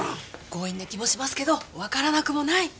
強引な気もしますけどわからなくもない。